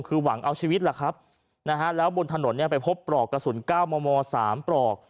คือหวังเอาชีวิตล่ะครับแล้วบนถนนไปพบปลอกกระสุนเก้ามมสามปลอก